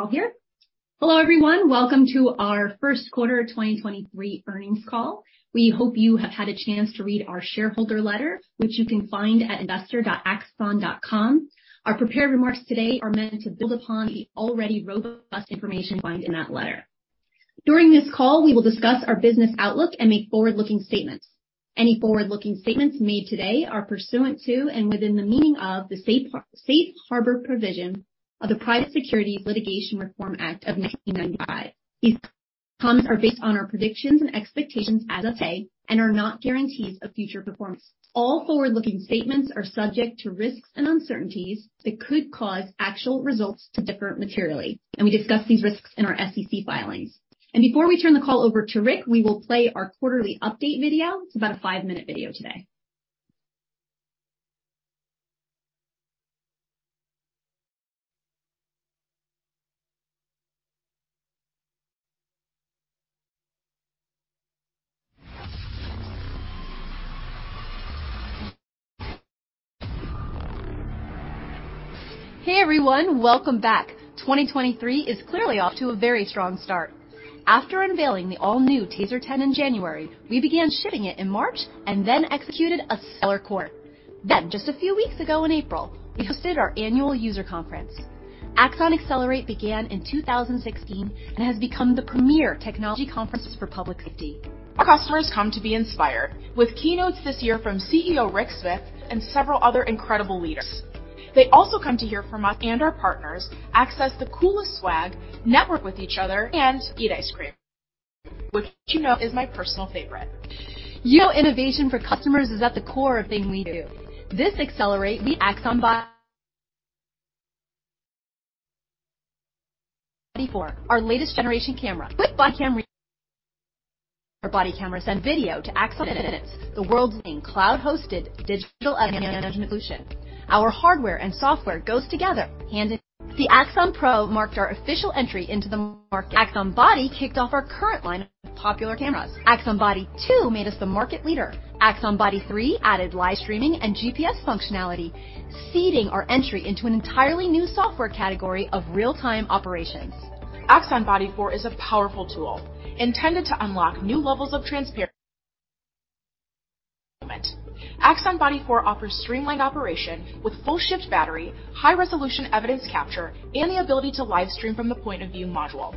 Okay, we're all here. Hello, everyone. Welcome to our Q1 of 2023 Earnings Call. We hope you have had a chance to read our shareholder letter, which you can find at investor.Axon.com. Our prepared remarks today are meant to build upon the already robust information you find in that letter. During this call, we will discuss our business outlook and make forward-looking statements. Any forward-looking statements made today are pursuant to and within the meaning of the safe harbor provision of the Private Securities Litigation Reform Act of 1995. These comments are based on our predictions and expectations as of today and are not guarantees of future performance. All forward-looking statements are subject to risks and uncertainties that could cause actual results to differ materially, and we discuss these risks in our SEC filings. Before we turn the call over to Rick, we will play our quarterly update video. It's about a five-minute video today. Hey, everyone. Welcome back. 2023 is clearly off to a very strong start. After unveiling the all-new TASER 10 in January, we began shipping it in March and then executed a stellar quarter. Just a few weeks ago in April, we hosted our annual user conference. Axon Accelerate began in 2016 and has become the premier technology conference for public safety. Our customers come to be inspired with keynotes this year from CEO Rick Smith and several other incredible leaders. They also come to hear from us and our partners access the coolest swag, network with each other, and eat ice cream, which you know is my personal favorite. You know, innovation for customers is at the core of everything we do. This Axon Accelerate, the Axon Body 4, our latest generation camera. With Body Camera, our body cameras and video to Axon, the world's cloud-hosted digital management solution. Our hardware and software goes together. The Axon Pro marked our official entry into the market. Axon Body kicked off our current line of popular cameras. Axon Body 2 made us the market leader. Axon Body 3 added live streaming and GPS functionality, seeding our entry into an entirely new software category of real-time operations. Axon Body 4 is a powerful tool intended to unlock new levels of transparency. Axon Body 4 offers streamlined operation with full-shift battery, high-resolution evidence catch-up, and the ability to live stream from the point of view module.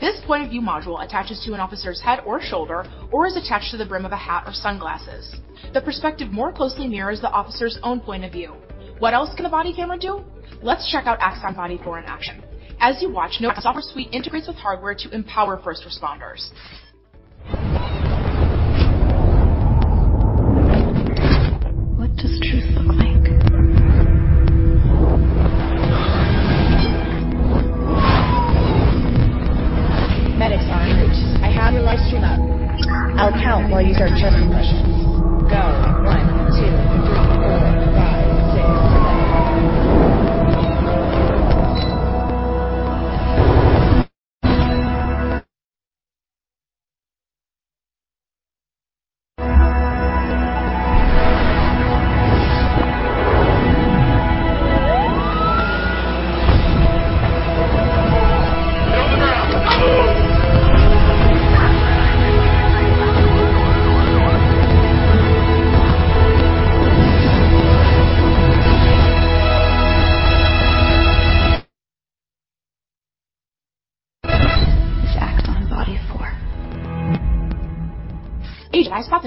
This point of view module attaches to an officer's head or shoulder or is attached to the brim of a hat or sunglasses. The perspective more closely mirrors the officer's own point of view. What else can a body camera do? Let's check out Axon Body 4 in action. As you watch, note our software suite integrates with hardware to empower first responders. What does truth look like? Medic on route. I have your live stream up. I'll count while you start chest compressions. Go.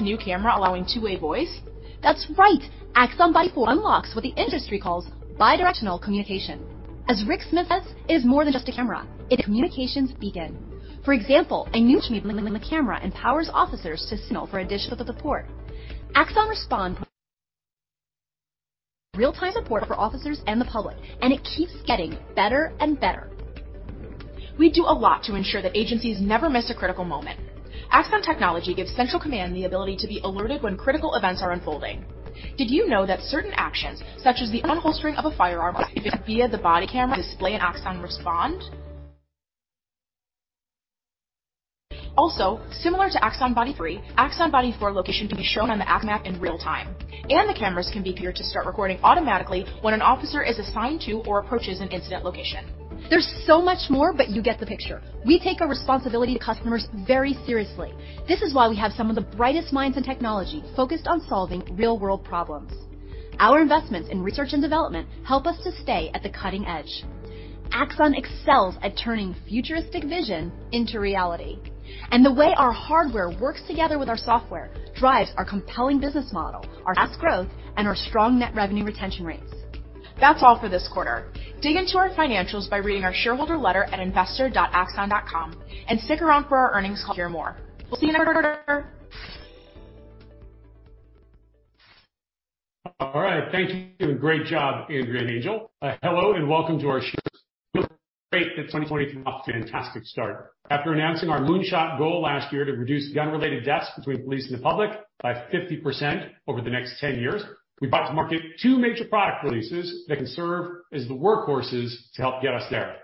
One, two, three, four, five, six, seven. Get on the ground. This is Axon Body 4. AJ, I spot the new camera allowing two-way voice. That's right. Axon Body 4 unlocks what the industry calls bi-directional communication. As Rick Smith says, it is more than just a camera, it's a communications beacon. For example, a new camera empowers officers to signal for additional support. Axon Respond real-time support for officers and the public, and it keeps getting better and better. We do a lot to ensure that agencies never miss a critical moment. Axon technology gives central command the ability to be alerted when critical events are unfolding. Did you know that certain actions, such as the unholstering of a firearm via the body camera, display an Axon Respond? Similar to Axon Body 3, Axon Body 4 location can be shown on the map in real time, and the cameras can be appeared to start recording automatically when an officer is assigned to or approaches an incident location. There's so much more, but you get the picture. We take our responsibility to customers very seriously. This is why we have some of the brightest minds in technology focused on solving real-world problems. Our investments in research and development help us to stay at the cutting edge. Axon excels at turning futuristic vision into reality. The way our hardware works together with our software drives our compelling business model, our fast growth, and our strong net revenue retention rates. That's all for this quarter. Dig into our financials by reading our shareholder letter at investor Axon dot com. Stick around for our earnings call to hear more. We'll see you. All right. Thank you. Great job, Andrea and Angel. Hello, welcome to our share. It feels great that 2023 is off to a fantastic start. After announcing our moonshot goal last year to reduce gun-related deaths between police and the public by 50% over the next 10 years, we brought to market two major product releases that can serve as the workhorses to help get us there.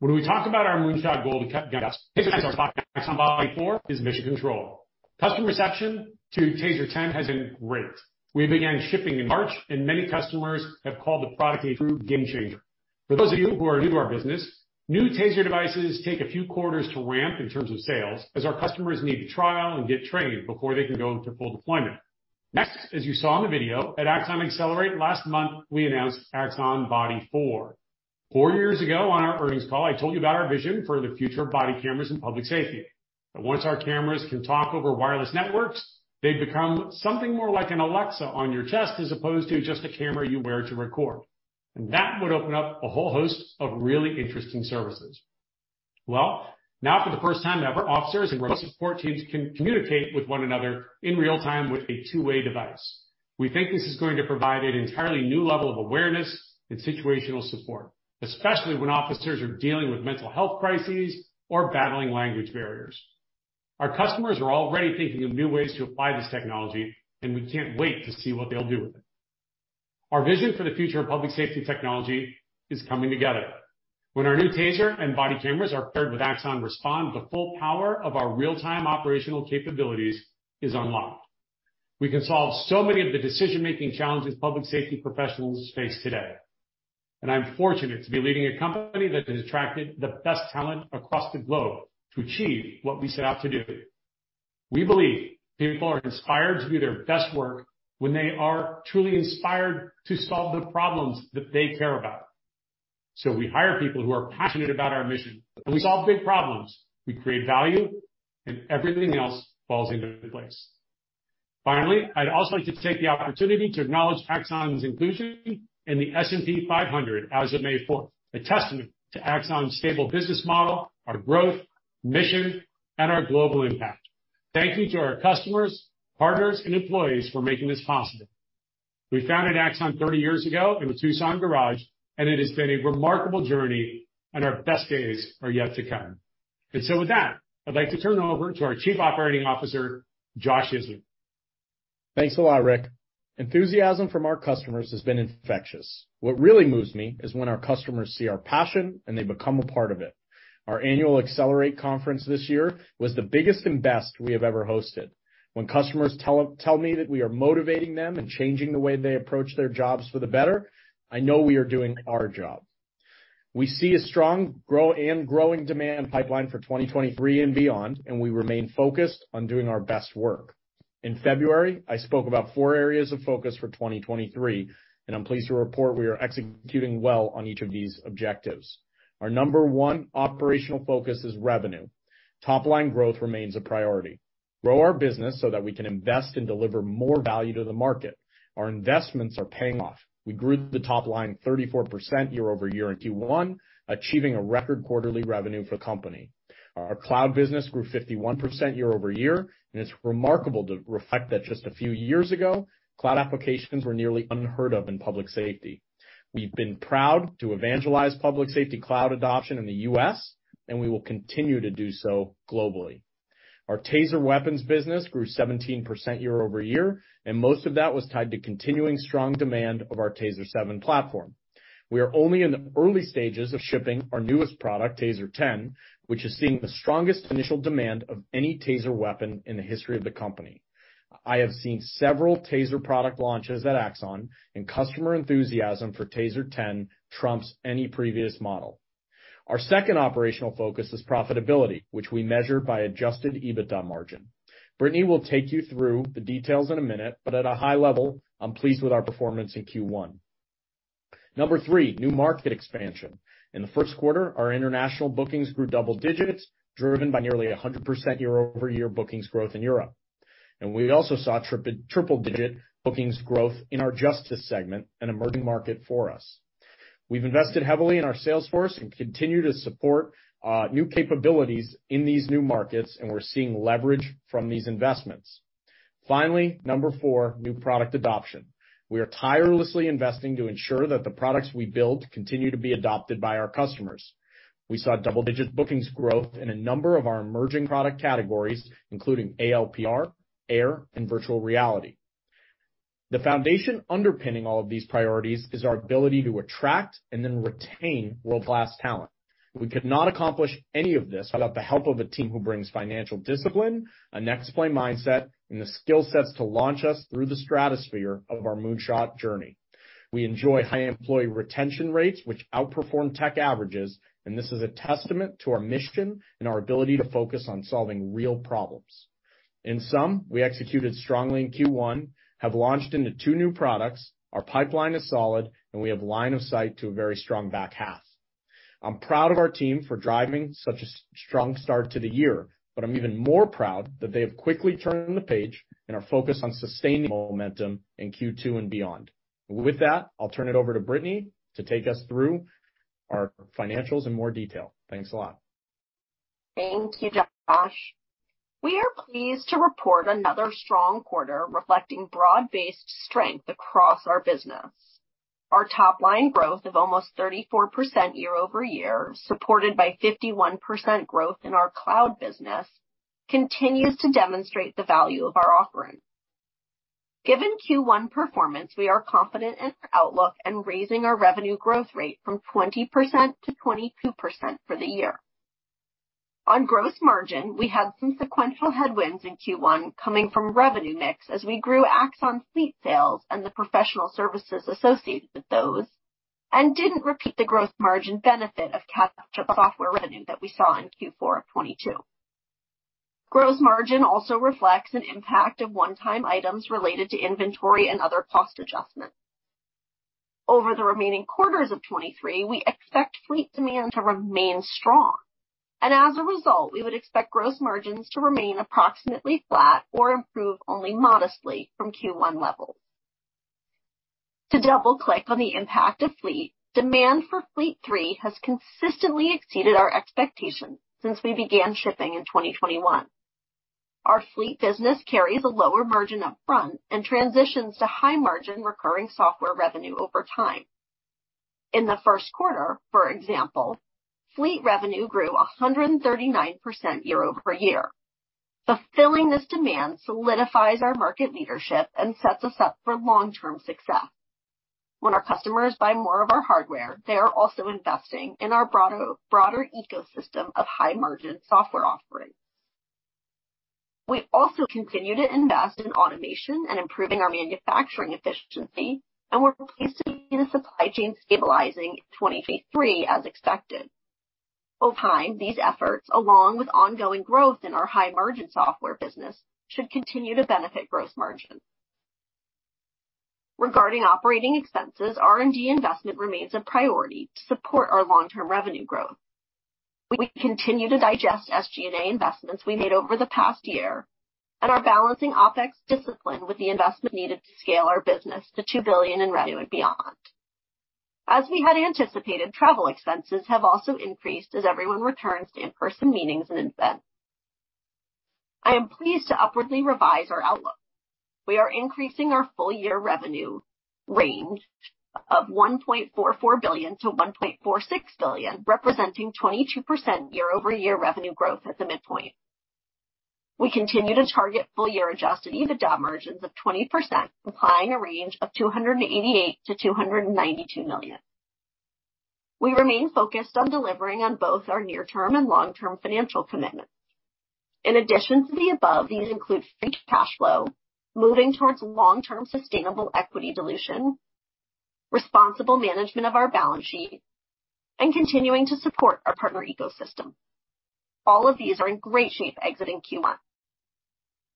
When we talk about our moonshot goal to cut deaths, Axon Body 4 is mission control. Customer reception to TASER 10 has been great. We began shipping in March, many customers have called the product a true game changer. For those of you who are new to our business, new TASER devices take a few quarters to ramp in terms of sales, as our customers need to trial and get trained before they can go to full deployment. As you saw in the video at Axon Accelerate last month, we announced Axon Body 4. 4 years ago on our earnings call, I told you about our vision for the future of body cameras and public safety. Once our cameras can talk over wireless networks, they become something more like an Alexa on your chest, as opposed to just a camera you wear to record. That would open up a whole host of really interesting services. Well, now for the first time ever, officers and support teams can communicate with one another in real time with a two-way device. We think this is going to provide an entirely new level of awareness and situational support, especially when officers are dealing with mental health crises or battling language barriers. Our customers are already thinking of new ways to apply this technology. We can't wait to see what they'll do with it. Our vision for the future of public safety technology is coming together. When our new TASER and body cameras are paired with Axon Respond, the full power of our real-time operational capabilities is unlocked. We can solve so many of the decision-making challenges public safety professionals face today. I'm fortunate to be leading a company that has attracted the best talent across the globe to achieve what we set out to do. We believe people are inspired to do their best work when they are truly inspired to solve the problems that they care about. We hire people who are passionate about our mission, and we solve big problems. We create value, and everything else falls into place. Finally, I'd also like to take the opportunity to acknowledge Axon's inclusion in the S&P 500 as of May fourth. A testament to Axon's stable business model, our growth, mission, and our global impact. Thank you to our customers, partners, and employees for making this possible. We founded Axon 30 years ago in a Tucson garage. It has been a remarkable journey, and our best days are yet to come. With that, I'd like to turn it over to our Chief Operating Officer, Josh Isner. Thanks a lot, Rick. Enthusiasm from our customers has been infectious. What really moves me is when our customers see our passion, they become a part of it. Our annual Accelerate conference this year was the biggest and best we have ever hosted. When customers tell me that we are motivating them and changing the way they approach their jobs for the better, I know we are doing our job. We see a strong growing demand pipeline for 2023 and beyond, we remain focused on doing our best work. In February, I spoke about four areas of focus for 2023, I'm pleased to report we are executing well on each of these objectives. Our number one operational focus is revenue. Top line growth remains a priority. Grow our business that we can invest and deliver more value to the market. Our investments are paying off. We grew the top line 34% year-over-year in Q1, achieving a record quarterly revenue for the company. It's remarkable to reflect that just a few years ago, Axon Cloud applications were nearly unheard of in public safety. We've been proud to evangelize public safety cloud adoption in the U.S. We will continue to do so globally. Our TASER weapons business grew 17% year-over-year. Most of that was tied to continuing strong demand of our TASER 7 platform. We are only in the early stages of shipping our newest product, TASER 10, which is seeing the strongest initial demand of any TASER weapon in the history of the company. I have seen several TASER product launches at Axon. Customer enthusiasm for TASER 10 trumps any previous model. Our second operational focus is profitability, which we measure by adjusted EBITDA margin. Brittany will take you through the details in a minute, but at a high level, I'm pleased with our performance in Q1. Number three, new market expansion. In the Q1, our international bookings grew double-digits, driven by nearly 100% year-over-year bookings growth in Europe. We also saw triple-digit bookings growth in our justice segment, an emerging market for us. We've invested heavily in our sales force and continue to support new capabilities in these new markets, and we're seeing leverage from these investments. Finally, number four, new product adoption. We are tirelessly investing to ensure that the products we build continue to be adopted by our customers. We saw double-digit bookings growth in a number of our emerging product categories, including ALPR, Air and virtual reality. The foundation underpinning all of these priorities is our ability to attract and then retain world-class talent. We could not accomplish any of this without the help of a team who brings financial discipline, a next play mindset, and the skill sets to launch us through the stratosphere of our moonshot journey. We enjoy high employee retention rates, which outperform tech averages, and this is a testament to our mission and our ability to focus on solving real problems. In sum, we executed strongly in Q1, have launched into two new products, our pipeline is solid, and we have line of sight to a very strong back half. I'm proud of our team for driving such a strong start to the year. I'm even more proud that they have quickly turned the page and are focused on sustaining the momentum in Q2 and beyond. With that, I'll turn it over to Brittany to take us through our financials in more detail. Thanks a lot. Thank you, Josh. We are pleased to report another strong quarter reflecting broad-based strength across our business. Our top line growth of almost 34% year-over-year, supported by 51% growth in our cloud business, continues to demonstrate the value of our offering. Given Q1 performance, we are confident in our outlook and raising our revenue growth rate from 20% to 22% for the year. On gross margin, we had some sequential headwinds in Q1 coming from revenue mix as we grew Axon Fleet sales and the professional services associated with those, and didn't repeat the gross margin benefit of catch-up software revenue that we saw in Q4 of 2022. Gross margin also reflects an impact of one-time items related to inventory and other cost adjustments. Over the remaining quarters of 2023, we expect Fleet demand to remain strong. As a result, we would expect gross margins to remain approximately flat or improve only modestly from Q1 levels. To double-click on the impact of Fleet, demand for Fleet 3 has consistently exceeded our expectations since we began shipping in 2021. Our Fleet business carries a lower margin up front and transitions to high-margin recurring software revenue over time. In the Q1, for example, Fleet revenue grew 139% year-over-year. Fulfilling this demand solidifies our market leadership and sets us up for long-term success. When our customers buy more of our hardware, they are also investing in our broader ecosystem of high-margin software offerings. We also continue to invest in automation and improving our manufacturing efficiency, and we're pleased to see the supply chain stabilizing in 2023 as expected. Over time, these efforts, along with ongoing growth in our high-margin software business, should continue to benefit gross margin. Regarding operating expenses, R&D investment remains a priority to support our long-term revenue growth. We continue to digest SG&A investments we made over the past year and are balancing OpEx discipline with the investment needed to scale our business to $2 billion in revenue and beyond. As we had anticipated, travel expenses have also increased as everyone returns to in-person meetings and events. I am pleased to upwardly revise our outlook. We are increasing our full-year revenue range of $1.44 billion-$1.46 billion, representing 22% year-over-year revenue growth at the midpoint. We continue to target full-year adjusted EBITDA margins of 20%, implying a range of $288 million-$292 million. We remain focused on delivering on both our near-term and long-term financial commitments. In addition to the above, these include free cash flow, moving towards long-term sustainable equity dilution, responsible management of our balance sheet, and continuing to support our partner ecosystem. All of these are in great shape exiting Q1.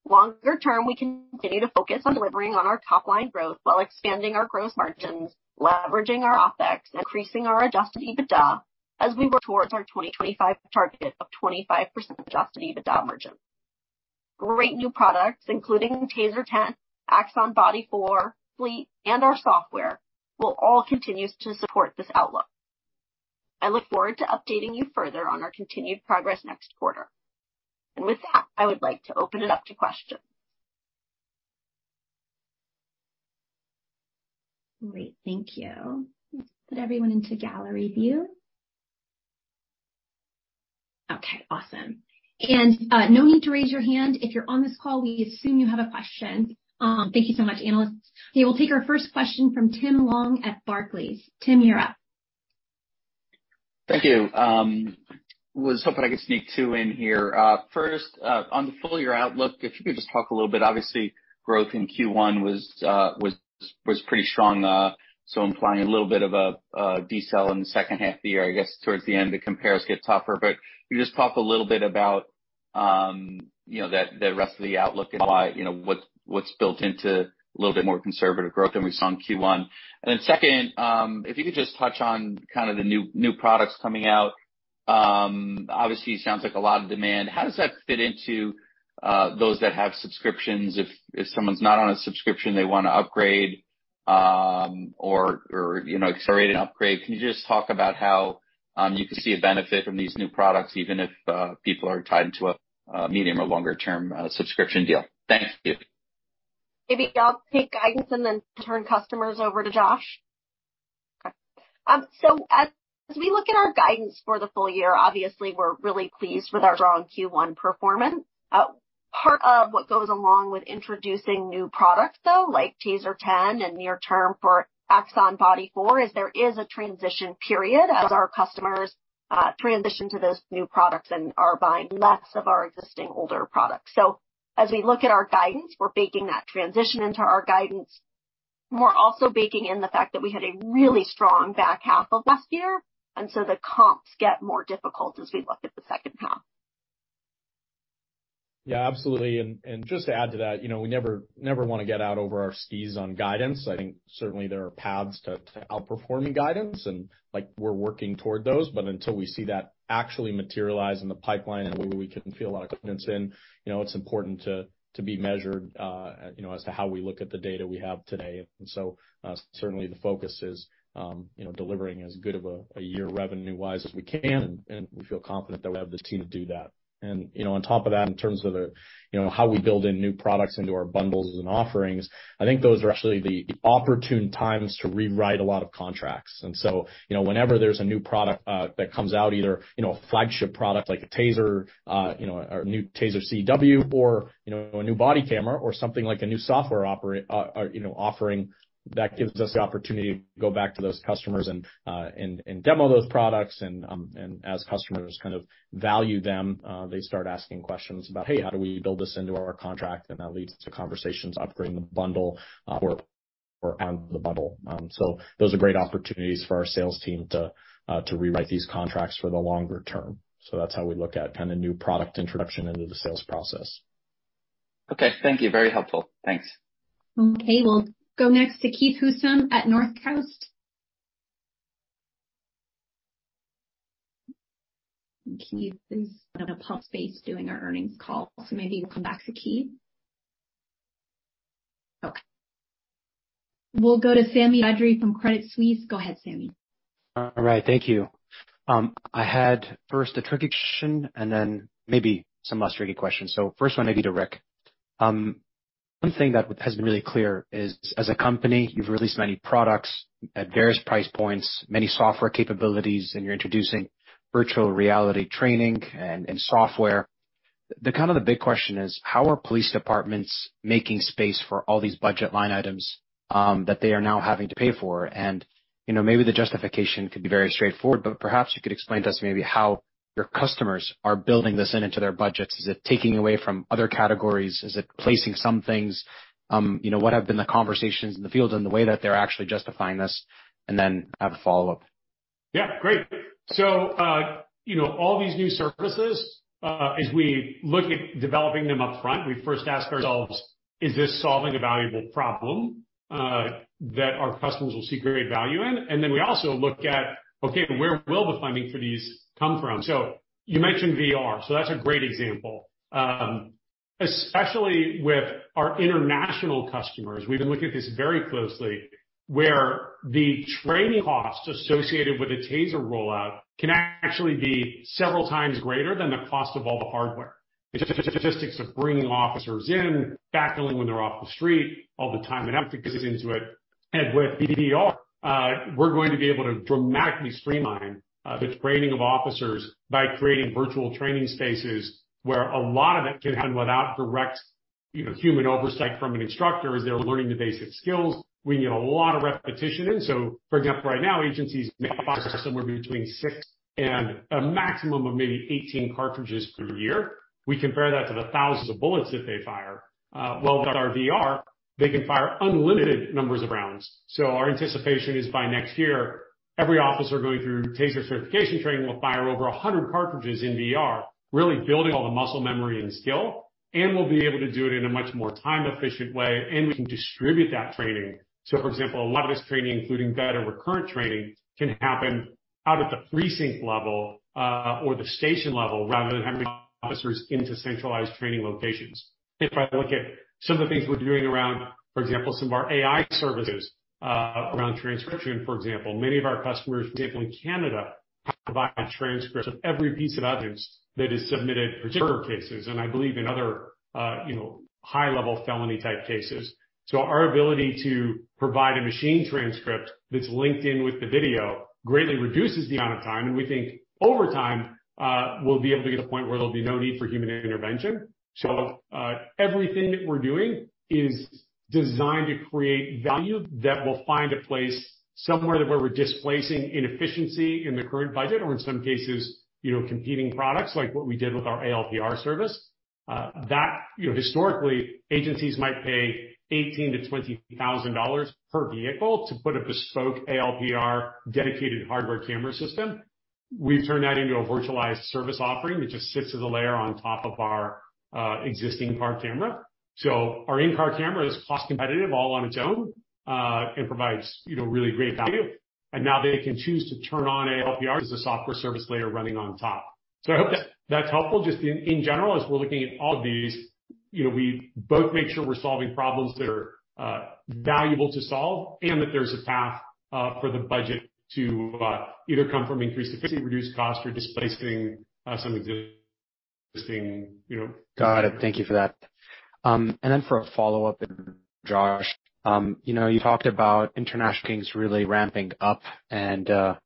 Longer term, we continue to focus on delivering on our top line growth while expanding our gross margins, leveraging our OpEx, increasing our adjusted EBITDA as we work towards our 2025 target of 25% adjusted EBITDA margin. Great new products, including TASER 10, Axon Body 4, Fleet, and our software, will all continue to support this outlook. I look forward to updating you further on our continued progress next quarter. With that, I would like to open it up to questions. Great. Thank you. Let's put everyone into gallery view. Okay, awesome. No need to raise your hand. If you're on this call, we assume you have a question. Thank you so much, analysts. We'll take our first question from Tim Long at Barclays. Tim, you're up. Thank you. Was hoping I could sneak two in here. First, on the full-year outlook, if you could just talk a little bit. Obviously, growth in Q1 was pretty strong, so implying a little bit of a decel in the second half of the year. I guess towards the end, the compares get tougher. Can you just talk a little bit about, you know, the rest of the outlook and why, you know, what's built into a little bit more conservative growth than we saw in Q1? Second, if you could just touch on kind of the new products coming out. Obviously, it sounds like a lot of demand. How does that fit into those that have subscriptions? If someone's not on a subscription, they want to upgrade, or, you know, accelerate an upgrade. Can you just talk about how you can see a benefit from these new products, even if people are tied into a medium or longer-term subscription deal? Thank you. Maybe I'll take guidance and then turn customers over to Josh. As we look at our guidance for the full year, obviously we're really pleased with our strong Q1 performance. Part of what goes along with introducing new products, though, like TASER 10 and near term for Axon Body 4, is there is a transition period as our customers transition to those new products and are buying less of our existing older products. As we look at our guidance, we're baking that transition into our guidance. We're also baking in the fact that we had a really strong back half of last year, the comps get more difficult as we look at the second half. Yeah, absolutely. Just to add to that, you know, we never wanna get out over our skis on guidance. I think certainly there are paths to outperforming guidance, and, like, we're working toward those, but until we see that actually materialize in the pipeline and we can feel a lot of confidence in, you know, it's important to be measured, you know, as to how we look at the data we have today. Certainly the focus is, you know, delivering as good of a year revenue-wise as we can, and we feel confident that we have this team to do that. You know, on top of that, in terms of the, you know, how we build in new products into our bundles and offerings, I think those are actually the opportune times to rewrite a lot of contracts. You know, whenever there's a new product that comes out, either, you know, a flagship product like a TASER, you know, a new TASER CW or, you know, a new body camera or something like a new software offering, that gives us the opportunity to go back to those customers and demo those products. As customers kind of value them, they start asking questions about, Hey, how do we build this into our contract? That leads to conversations upgrading the bundle, or on the bundle. Those are great opportunities for our sales team to rewrite these contracts for the longer term. That's how we look at kind of new product introduction into the sales process. Okay. Thank you. Very helpful. Thanks. Okay. We'll go next to Keith Housum at Northcoast Research. Keith is in a pause space doing our earnings call, so maybe we'll come back to Keith. Okay. We'll go to Sami Badri from Credit Suisse. Go ahead, Sami. All right. Thank you. I had first a tradition and then maybe some less tricky questions. First one maybe to Rick. One thing that has been really clear is, as a company, you've released many products at various price points, many software capabilities, and you're introducing virtual reality training and software. The kind of the big question is, how are police departments making space for all these budget line items that they are now having to pay for? You know, maybe the justification could be very straightforward, but perhaps you could explain to us maybe how your customers are building this into their budgets. Is it taking away from other categories? Is it placing some things? You know, what have been the conversations in the field and the way that they're actually justifying this? I have a follow-up. Yeah, great. you know, all these new services, as we look at developing them upfront, we first ask ourselves, is this solving a valuable problem, that our customers will see great value in? We also look at, okay, where will the funding for these come from? You mentioned VR, that's a great example. Especially with our international customers, we've been looking at this very closely, where the training costs associated with a TASER rollout can actually be several times greater than the cost of all the hardware. The statistics of bringing officers in, backfilling when they're off the street, all the time and effort that goes into it. With VR, we're going to be able to dramatically streamline the training of officers by creating virtual training spaces where a lot of it can happen without direct, you know, human oversight from an instructor as they're learning the basic skills. We need a lot of repetition in. For example, right now, agencies may fire somewhere between six and a maximum of maybe 18 cartridges per year. We compare that to the thousands of bullets that they fire. Well, with our VR, they can fire unlimited numbers of rounds. Our anticipation is by next year, every officer going through TASER certification training will fire over 100 cartridges in VR, really building all the muscle memory and skill. We'll be able to do it in a much more time-efficient way, and we can distribute that training. For example, a lot of this training, including vet or recurrent training, can happen out at the precinct level, or the station level rather than having officers into centralized training locations. If I look at some of the things we're doing around, for example, some of our AI services, around transcription, for example, many of our customers, for example, in Canada, provide a transcript of every piece of evidence that is submitted for certain cases, and I believe in other high-level felony-type cases. Our ability to provide a machine transcript that's linked in with the video greatly reduces the amount of time, and we think over time, we'll be able to get to a point where there'll be no need for human intervention. Everything that we're doing is designed to create value that will find a place somewhere where we're displacing inefficiency in the current budget or in some cases, you know, competing products, like what we did with our ALPR service. That, you know, historically, agencies might pay $18,000-$20,000 per vehicle to put a bespoke ALPR dedicated hardware camera system. We've turned that into a virtualized service offering that just sits as a layer on top of our existing car camera. Our in-car camera is cost competitive all on its own and provides, you know, really great value. Now they can choose to turn on ALPR as a software service layer running on top. I hope that's helpful. Just in general, as we're looking at all of these, you know, we both make sure we're solving problems that are valuable to solve and that there's a path for the budget to either come from increased efficiency, reduced cost, or displacing some existing, you know... Got it. Thank you for that. Then for a follow-up, Josh, you know, you talked about international things really ramping up. I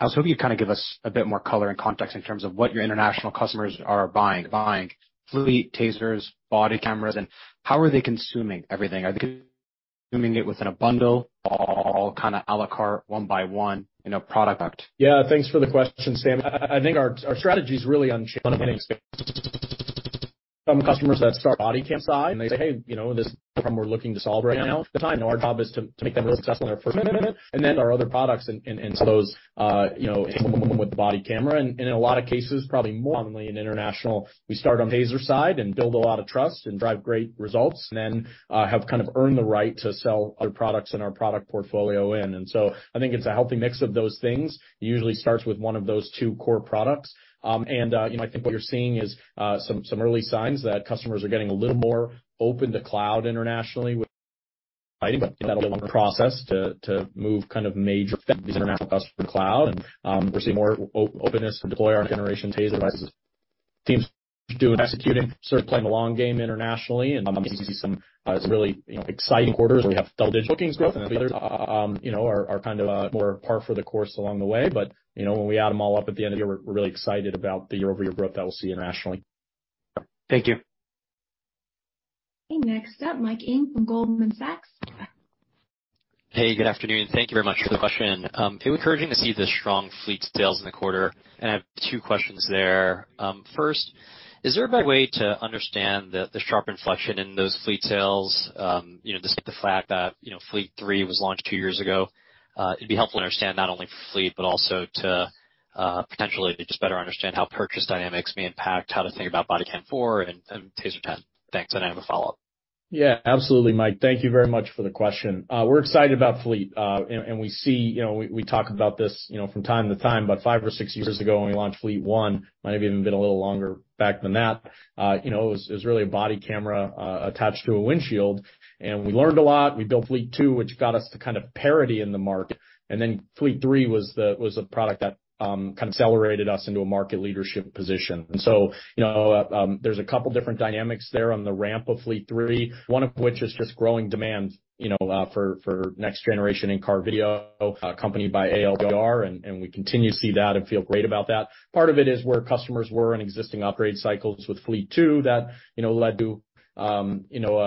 was hoping you'd kind of give us a bit more color and context in terms of what your international customers are buying. Buying Fleet TASERs, body cameras, and how are they consuming everything? Are they consuming it within a bundle or all kinda à la carte one by one, you know, product? Yeah, thanks for the question, Sami. I think our strategy is really on winning space. Some customers that start body cam side, and they say, Hey, you know, this is a problem we're looking to solve right now. I know our job is to make them really successful on their first minute, and then our other products and those, you know, with the body camera. In a lot of cases, probably more commonly in international, we start on TASER side and build a lot of trust and drive great results. Then have kind of earned the right to sell other products in our product portfolio in. I think it's a healthy mix of those things. It usually starts with one of those two core products. You know, I think what you're seeing is some early signs that customers are getting a little more open to cloud internationally with, but that's a little longer process to move kind of major international customers to the cloud. We're seeing more openness to deploy our generation TASER devices. Teams doing, executing, sort of playing the long game internationally, and I'm going to see some, you know, exciting quarters where we have double-digit bookings growth. You know, are kind of more par for the course along the way. You know, when we add them all up at the end of the year, we're really excited about the year-over-year growth that we'll see internationally. Thank you. Okay. Next up, Mike Ng from Goldman Sachs. Hey, good afternoon. Thank you very much for the question. It was encouraging to see the strong Fleet sales in the quarter, and I have two questions there. First, is there a better way to understand the sharp inflection in those Fleet sales? You know, despite the fact that, you know, Fleet 3 was launched 2 years ago, it'd be helpful to understand not only for Fleet, but also to, potentially just better understand how purchase dynamics may impact how to think about BodyCam 4 and TASER 10. Thanks. I have a follow-up. Yeah, absolutely, Mike. Thank you very much for the question. We're excited about Fleet. We see, you know, we talk about this, you know, from time to time, but five or six years ago, when we launched Fleet 1, might have even been a little longer back than that. You know, it was, it was really a body camera, attached to a windshield. We learned a lot. We built Fleet 2, which got us to kind of parity in the market. Then Fleet 3 was the, was the product that, kind of accelerated us into a market leadership position. You know, there's two different dynamics there on the ramp of Fleet 3, one of which is just growing demand, you know, for next generation in-car video, accompanied by ALPR, and we continue to see that and feel great about that. Part of it is where customers were in existing upgrade cycles with Fleet 2 that, you know, led to, you know,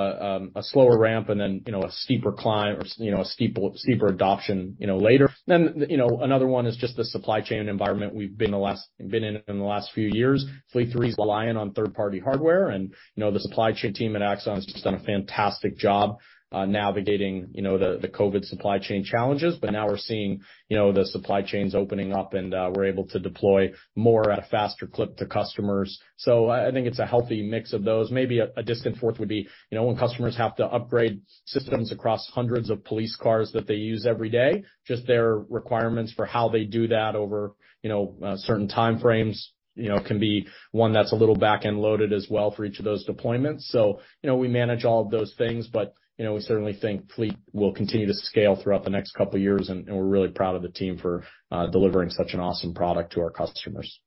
a slower ramp and then, you know, a steeper climb or, you know, a steeper adoption, you know, later. You know, another one is just the supply chain environment we've been in the last few years. Fleet 3 is relying on third-party hardware, you know, the supply chain team at Axon has just done a fantastic job, navigating, you know, the COVID supply chain challenges. Now we're seeing, you know, the supply chains opening up, and we're able to deploy more at a faster clip to customers. I think it's a healthy mix of those. Maybe a distant fourth would be, you know, when customers have to upgrade systems across hundreds of police cars that they use every day, just their requirements for how they do that over, you know, certain time frames, you know, can be one that's a little back-end loaded as well for each of those deployments. You know, we manage all of those things, but, you know, we certainly think Fleet will continue to scale throughout the next couple years, and we're really proud of the team for delivering such an awesome product to our customers.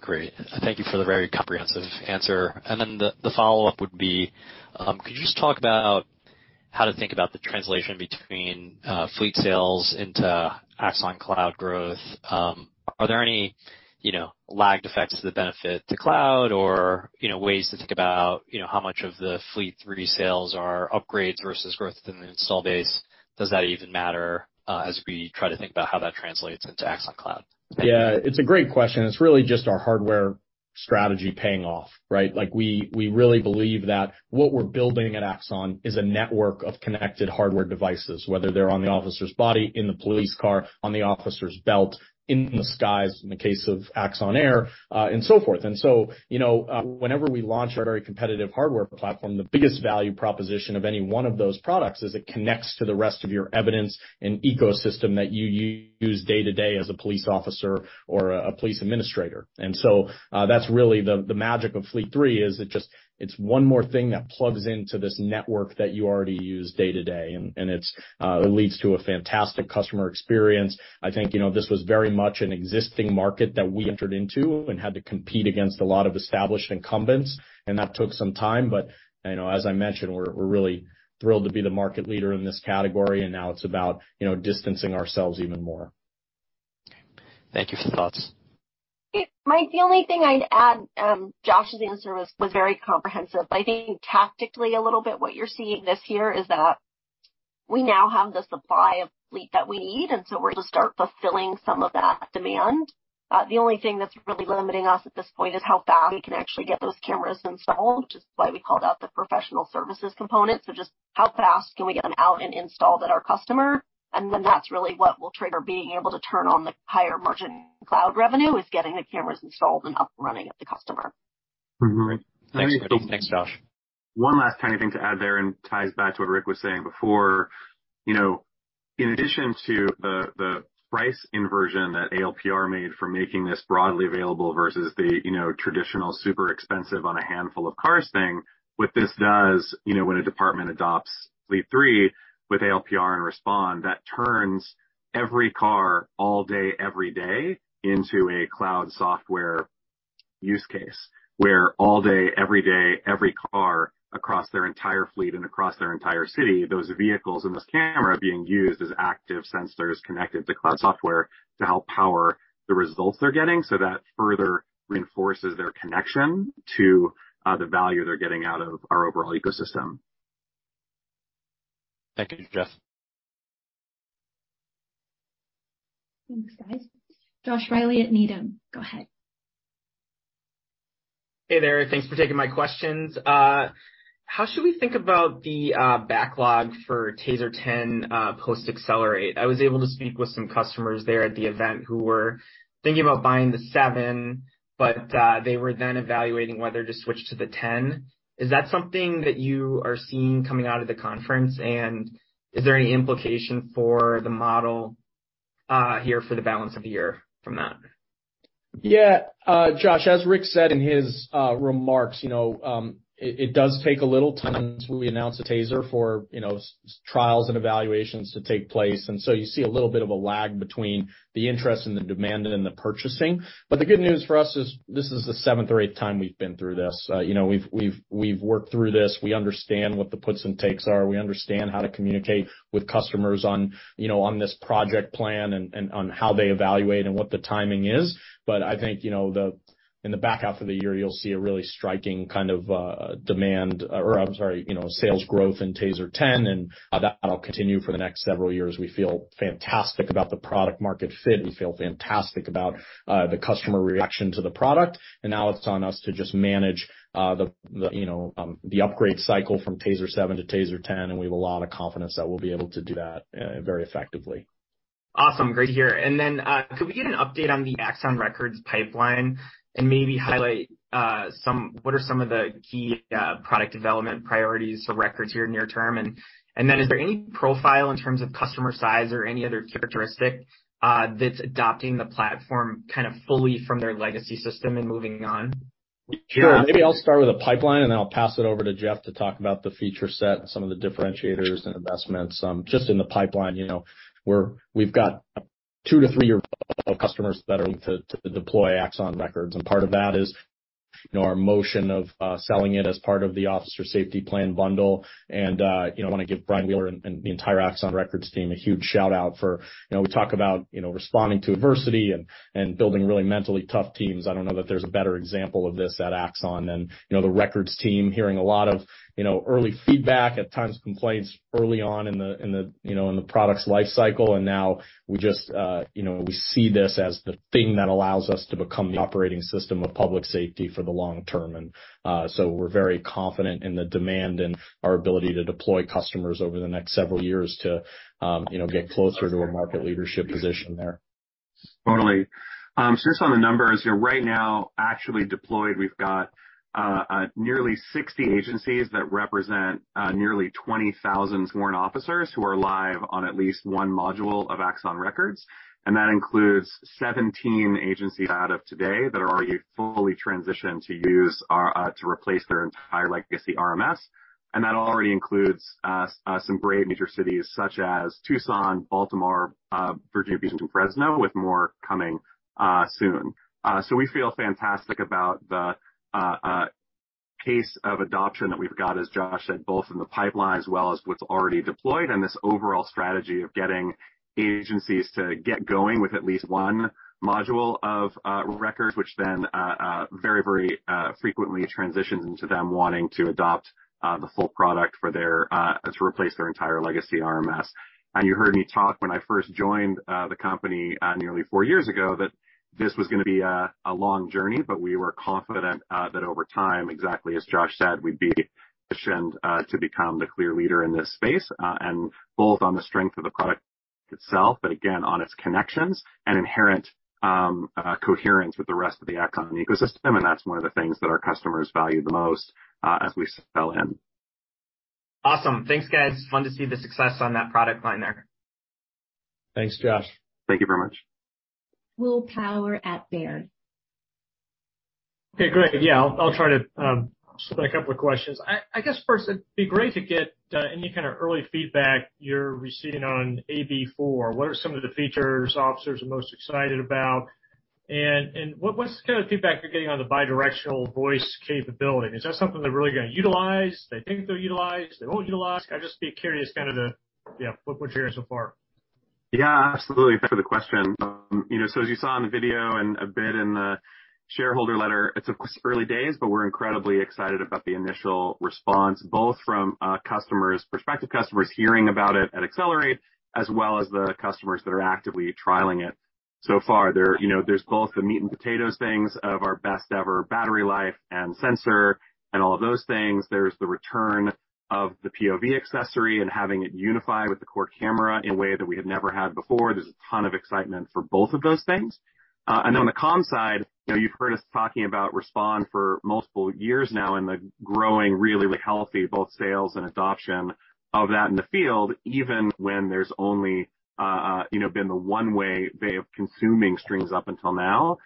Great. Thank you for the very comprehensive answer. Then the follow-up would be, could you just talk about how to think about the translation between Fleet sales into Axon Cloud growth? Are there any, you know, lagged effects that benefit the cloud or, you know, ways to think about, you know, how much of the Fleet 3 sales are upgrades versus growth in the install base? Does that even matter, as we try to think about how that translates into Axon Cloud? Yeah, it's a great question. It's really just our hardware strategy paying off, right? Like, we really believe that what we're building at Axon is a network of connected hardware devices, whether they're on the officer's body, in the police car, on the officer's belt, in the skies, in the case of Axon Air, and so forth. You know, whenever we launch our very competitive hardware platform, the biggest value proposition of any one of those products is it connects to the rest of your evidence and ecosystem that you use day-to-day as a police officer or a police administrator. That's really the magic of Fleet 3, it's one more thing that plugs into this network that you already use day-to-day, and it's it leads to a fantastic customer experience. I think, you know, this was very much an existing market that we entered into and had to compete against a lot of established incumbents, and that took some time. You know, as I mentioned, we're really thrilled to be the market leader in this category, and now it's about, you know, distancing ourselves even more. Thank you for the thoughts. Mike, the only thing I'd add, Josh's answer was very comprehensive. I think tactically a little bit what you're seeing this year is that we now have the supply of Fleet that we need, we're to start fulfilling some of that demand. The only thing that's really limiting us at this point is how fast we can actually get those cameras installed, which is why we called out the professional services component. Just how fast can we get them out and installed at our customer? That's really what will trigger being able to turn on the higher margin Cloud revenue, is getting the cameras installed and up and running at the customer. Great. Thanks, Thanks, Josh. One last tiny thing to add there. Ties back to what Rick was saying before. You know, in addition to the price inversion that ALPR made for making this broadly available versus the, you know, traditional, super expensive on a handful of cars thing, what this does, you know, when a department adopts Fleet 3 with ALPR and Respond, that turns every car all day, every day into a cloud software use case, where all day, every day, every car across their entire fleet and across their entire city, those vehicles and this camera are being used as active sensors connected to cloud software to help power the results they're getting. That further reinforces their connection to the value they're getting out of our overall ecosystem. Thank you, Jeff. Thanks, guys. Josh Reilly at Needham, go ahead. Hey there. Thanks for taking my questions. How should we think about the backlog for TASER 10 post Axon Accelerate? I was able to speak with some customers there at the event who were thinking about buying the TASER 7, but they were then evaluating whether to switch to the TASER 10. Is that something that you are seeing coming out of the conference? Is there any implication for the model here for the balance of the year from that? Yeah. Josh, as Rick said in his remarks, you know, it does take a little time since we announced the TASER for, you know, trials and evaluations to take place. You see a little bit of a lag between the interest and the demand and the purchasing. The good news for us is this is the seventh or eighth time we've been through this. You know, we've worked through this. We understand what the puts and takes are. We understand how to communicate with customers on, you know, on this project plan and on how they evaluate and what the timing is. I think, you know, the in the back half of the year, you'll see a really striking kind of demand or I'm sorry, sales growth in TASER 10, and that'll continue for the next several years. We feel fantastic about the product market fit. We feel fantastic about the customer reaction to the product. Now it's on us to just manage the upgrade cycle from TASER 7 to TASER 10, and we have a lot of confidence that we'll be able to do that very effectively. Awesome. Great to hear. Could we get an update on the Axon Records pipeline and maybe highlight, what are some of the key, product development priorities for Records here near term? Is there any profile in terms of customer size or any other characteristic, that's adopting the platform kind of fully from their legacy system and moving on? Sure. Maybe I'll start with a pipeline, and then I'll pass it over to Jeff to talk about the feature set and some of the differentiators and investments. Just in the pipeline, you know, we've got two to three years of customers that are to deploy Axon Records, and part of that is, you know, our motion of selling it as part of the Officer Safety Plan bundle. You know, I want to give Brian Wheeler and the entire Axon Records team a huge shout-out for, you know, we talk about, you know, responding to adversity and building really mentally tough teams. I don't know that there's a better example of this, at Axon. You know, the Records team hearing a lot of, you know, early feedback, at times complaints early on in the, in the, you know, in the product's life cycle. Now we just, you know, we see this as the thing that allows us to become the operating system of public safety for the long term. So we're very confident in the demand and our ability to deploy customers over the next several years to, you know, get closer to a market leadership position there. Totally. Just on the numbers, you know, right now, actually deployed, we've got nearly 60 agencies that represent nearly 20,000 sworn officers who are live on at least one module of Axon Records, and that includes 17 agencies out of today that are already fully transitioned to use our to replace their entire legacy RMS. That already includes some brave major cities such as Tucson, Baltimore, Virginia Beach, and Fresno, with more coming soon. We feel fantastic about the pace of adoption that we've got, as Josh said, both in the pipeline as well as what's already deployed, and this overall strategy of getting agencies to get going with at least 1 module of Records, which then very, very frequently transitions into them wanting to adopt the full product for their to replace their entire legacy RMS. You heard me talk when I first joined the company nearly 4 years ago that this was gonna be a long journey, but we were confident that over time, exactly as Josh said, we'd be positioned to become the clear leader in this space, and both on the strength of the product itself, but again on its connections and inherent coherence with the rest of the Axon ecosystem. That's one of the things that our customers value the most, as we sell in. Awesome. Thanks, guys. Fun to see the success on that product line there. Thanks, Josh. Thank you very much. Will Power at Baird. Okay, great. I'll try to split a couple of questions. I guess first it'd be great to get any kind of early feedback you're receiving on AB4. What are some of the features officers are most excited about? What's the kind of feedback you're getting on the bi-directional voice capability? Is that something they're really gonna utilize? They think they'll utilize? They won't utilize? I'd just be curious kind of the what you're hearing so far. Yeah, absolutely. Thank you for the question. You know, as you saw in the video and a bit in the shareholder letter, it's of course early days, but we're incredibly excited about the initial response, both from customers, prospective customers hearing about it at Axon Accelerate as well as the customers that are actively trialing it. So far, there, you know, there's both the meat and potatoes things of our best ever battery life and sensor and all of those things. There's the return of the POV accessory and having it unified with the core camera in a way that we have never had before. There's a ton of excitement for both of those things. On the con side, you know, you've heard us talking about Respond for multiple years now and the growing really, really healthy, both sales and adoption of that in the field, even when there's only, you know, been the one way of consuming streams up until now.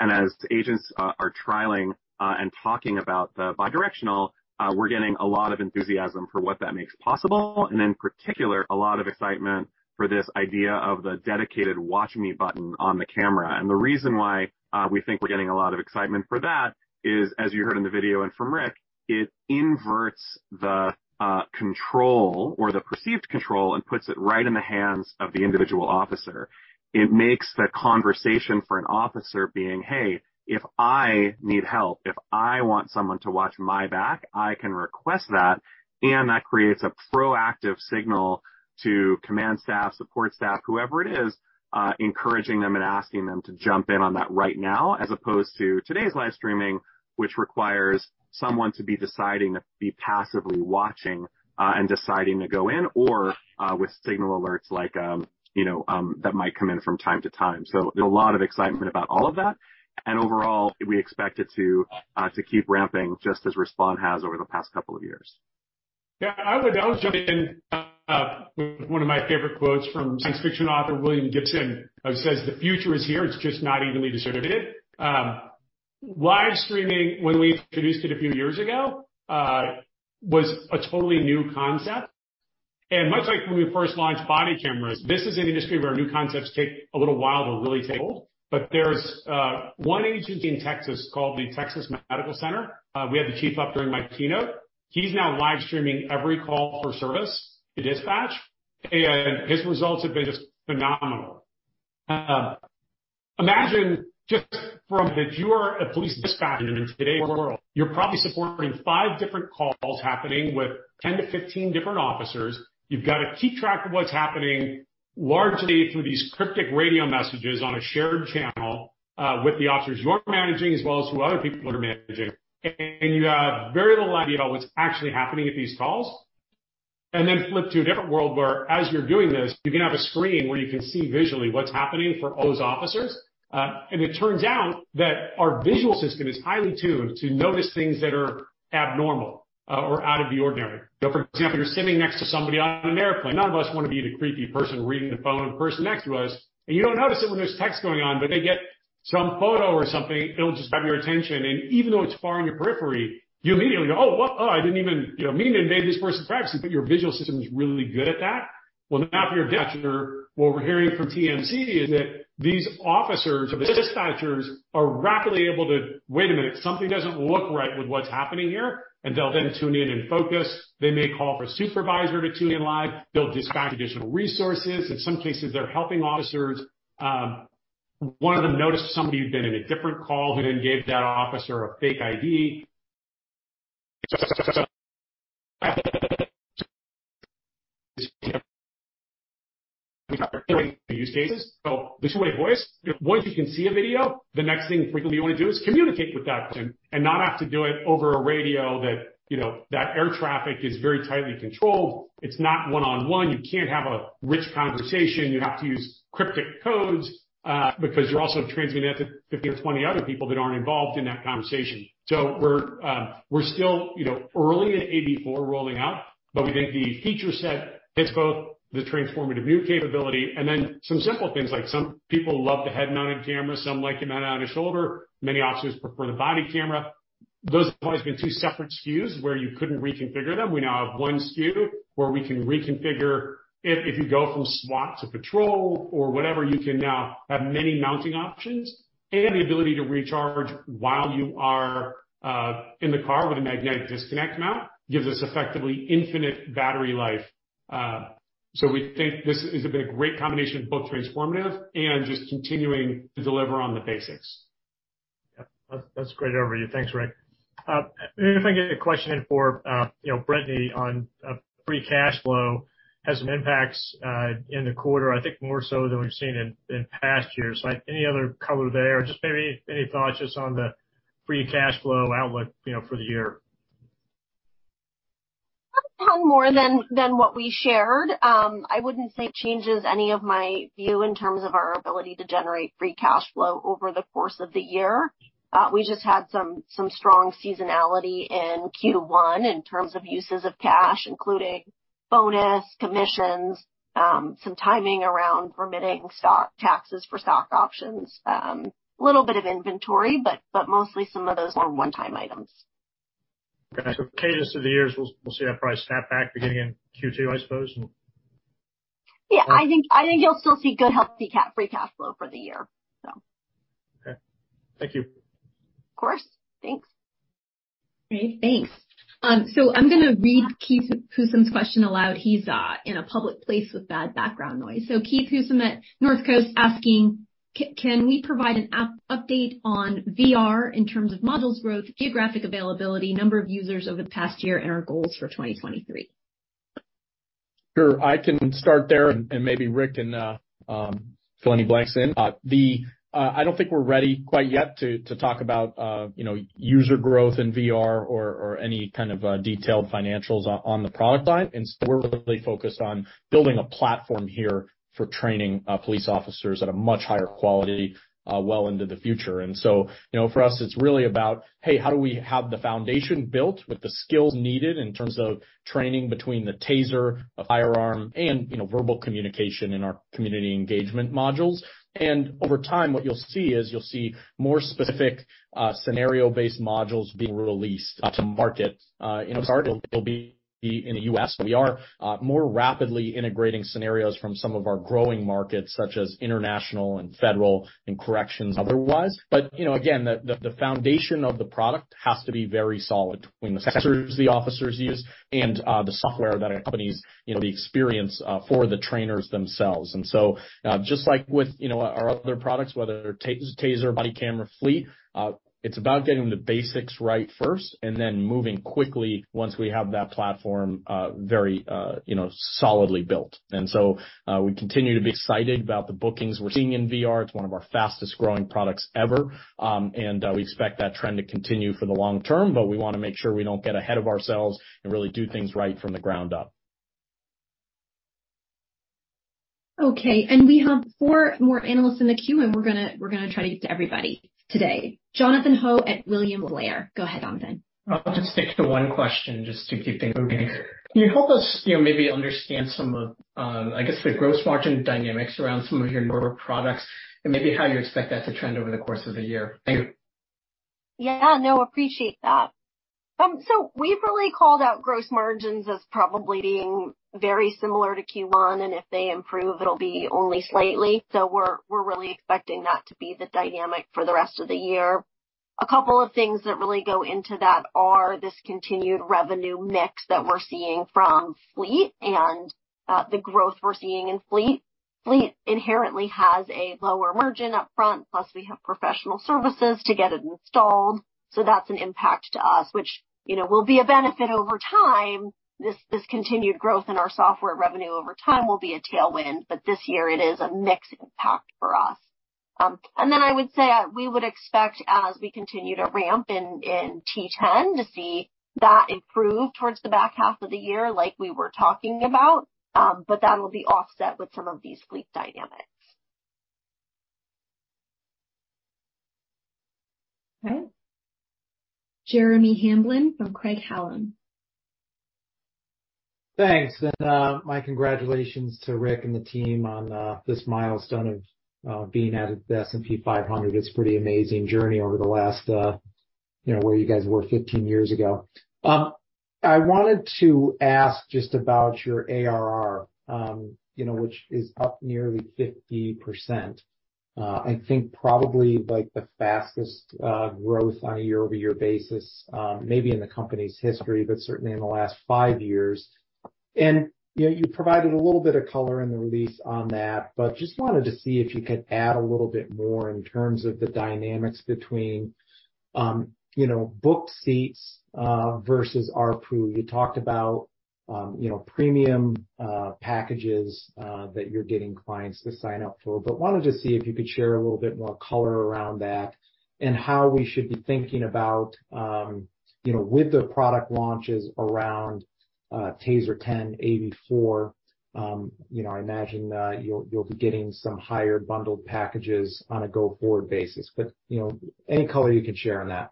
As agents are trialing and talking about the bi-directional, we're getting a lot of enthusiasm for what that makes possible, and in particular, a lot of excitement for this idea of the dedicated Watch Me button on the camera. The reason why we think we're getting a lot of excitement for that is, as you heard in the video and from Rick, it inverts the control or the perceived control and puts it right in the hands of the individual officer. It makes the conversation for an officer being, Hey, if I need help, if I want someone to watch my back, I can request that. That creates a proactive signal to command staff, support staff, whoever it is, encouraging them and asking them to jump in on that right now, as opposed to today's live streaming, which requires someone to be deciding to be passively watching, and deciding to go in or, with signal alerts like, you know, that might come in from time to time. A lot of excitement about all of that. Overall, we expect it to keep ramping, just as Respond has over the past couple of years. Yeah, I'll jump in. One of my favorite quotes from science fiction author William Gibson, who says, "The future is here. It's just not evenly distributed." Live streaming, when we introduced it a few years ago, was a totally new concept. Much like when we first launched body cameras, this is an industry where new concepts take a little while to really take hold. There's one agency in Texas called the Texas Medical Center. We had the chief up during my keynote. He's now live streaming every call for service to dispatch. His results have been just phenomenal. Imagine just from that you are a police dispatcher in today's world. You're probably supporting 5 different calls happening with 10-15 different officers. You've got to keep track of what's happening largely through these cryptic radio messages on a shared channel, with the officers you're managing, as well as who other people are managing. You have very little idea about what's actually happening at these calls. Then flip to a different world where as you're doing this, you can have a screen where you can see visually what's happening for all those officers. It turns out that our visual system is highly tuned to notice things that are abnormal, or out of the ordinary. For example, you're sitting next to somebody on an airplane. None of us want to be the creepy person reading the phone of the person next to us, and you don't notice it when there's text going on, but they get some photo or something, it'll just grab your attention. Even though it's far in your periphery, you immediately go, "Oh, what? Oh, I didn't even, you know, mean to invade this person's privacy." Your visual system is really good at that. Well, now from your dispatcher, what we're hearing from TMC is that these officers or the dispatchers are rapidly able to wait a minute, something doesn't look right with what's happening here, and they'll then tune in and focus. They may call for a supervisor to tune in live. They'll dispatch additional resources. In some cases, they're helping officers. One of them noticed somebody who'd been in a different call who then gave that officer a fake ID. Use cases. This is a way voice. Once you can see a video, the next thing frequently you want to do is communicate with that person and not have to do it over a radio that, you know, that air traffic is very tightly controlled. It's not one-on-one. You can't have a rich conversation. You have to use cryptic codes, because you're also transmitting that to 15 or 20 other people that aren't involved in that conversation. We're still, you know, early in AB4 rolling out, but we think the feature set hits both the transformative new capability and then some simple things like some people love the head-mounted camera, some like a mount-on-the-shoulder. Many officers prefer the body camera. Those have always been two separate SKUs where you couldn't reconfigure them. We now have one SKU where we can reconfigure if you go from SWAT to patrol or whatever, you can now have many mounting options and the ability to recharge while you are in the car with a magnetic disconnect mount gives us effectively infinite battery life. We think this is a bit of great combination of both transformative and just continuing to deliver on the basics. Yeah, that's great overview. Thanks, Rick. If I can get a question in for, you know, Brittany on free cash flow has some impacts in the quarter, I think more so than we've seen in past years. Like, any other color there, just maybe any thoughts just on the free cash flow outlook, you know, for the year? Not more than what we shared. I wouldn't say it changes any of my view in terms of our ability to generate free cash flow over the course of the year. We just had some strong seasonality in Q1 in terms of uses of cash, including bonus commissions, some timing around permitting stock taxes for stock options, a little bit of inventory, but mostly some of those more one-time items. Okay. Cadence of the years, we'll see that probably snap back beginning in Q2, I suppose. Yeah, I think you'll still see good, healthy free cash flow for the year, so. Okay. Thank you. Of course. Thanks. Great. Thanks. I'm gonna read Keith Housum's question aloud. He's in a public place with bad background noise. Keith Housum at Northcoast Research asking, can we provide an update on VR in terms of models growth, geographic availability, number of users over the past year, and our goals for 2023? Sure. I can start there and maybe Rick can fill any blanks in. I don't think we're ready quite yet to talk about, you know, user growth in VR or any kind of detailed financials on the product line. Instead, we're really focused on building a platform here for training police officers at a much higher quality well into the future. You know, for us, it's really about, hey, how do we have the foundation built with the skills needed in terms of training between the TASER, a firearm and, you know, verbal communication in our community engagement modules. Over time, what you'll see is you'll see more specific scenario-based modules being released to market. You know, start it'll be in the U.S., we are more rapidly integrating scenarios from some of our growing markets, such as international and federal and corrections otherwise. You know, again, the foundation of the product has to be very solid between the sensors the officers use and the software that accompanies, you know, the experience for the trainers themselves. We continue to be excited about the bookings we're seeing in VR. It's one of our fastest-growing products ever. We expect that trend to continue for the long term, but we wanna make sure we don't get ahead of ourselves and really do things right from the ground up. Okay. We have four more analysts in the queue, and we're gonna try to get to everybody today. Jonathan Ho at William Blair. Go ahead, Jonathan. I'll just stick to one question just to keep things moving. Can you help us, you know, maybe understand some of, I guess the gross margin dynamics around some of your newer products and maybe how you expect that to trend over the course of the year? Thank you. Yeah. No, appreciate that. We've really called out gross margins as probably being very similar to Q1, and if they improve, it'll be only slightly. We're really expecting that to be the dynamic for the rest of the year. A couple of things that really go into that are this continued revenue mix that we're seeing from Fleet and the growth we're seeing in Fleet. Fleet inherently has a lower margin up front, plus we have professional services to get it installed. That's an impact to us, which, you know, will be a benefit over time. This continued growth in our software revenue over time will be a tailwind, but this year it is a mixed impact for us. I would say we would expect as we continue to ramp in T10 to see that improve towards the back half of the year like we were talking about, that'll be offset with some of these fleet dynamics. Okay. Jeremy Hamblin from Craig-Hallum. Thanks. My congratulations to Rick and the team on this milestone of being added to the S&P 500. It's pretty amazing journey over the last, you know, where you guys were 15 years ago. I wanted to ask just about your ARR, you know, which is up nearly 50%. I think probably like the fastest growth on a year-over-year basis, maybe in the company's history, but certainly in the last five years. You know, you provided a little bit of color in the release on that, but just wanted to see if you could add a little bit more in terms of the dynamics between, you know, booked seats versus approved? You talked about, you know, premium packages that you're getting clients to sign up for. Wanted to see if you could share a little bit more color around that and how we should be thinking about, you know, with the product launches around TASER 10, AB4. You know, I imagine you'll be getting some higher bundled packages on a go-forward basis, but, you know, any color you can share on that?